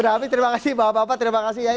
habis terima kasih bapak bapak terima kasih yai